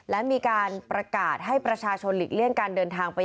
และมีการประกาศให้ประชาชนหลีกเลี่ยงการเดินทางไป